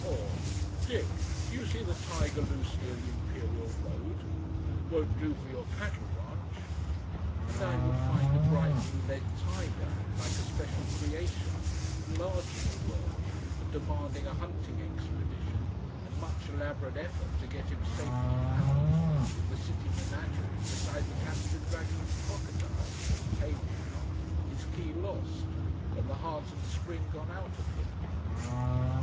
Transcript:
Or, "Dick, do you see the tiger loose near the Imperial Road? won't do for your cattle ranch." And I would find a bright new lead tiger like a special creation at large in the world, and demanding a hunting expedition and much elaborate effort to get him safely housed in the city menagerie beside the captured dragon crocodile, tamed now, and his key lost and the heart and spring gone out of him.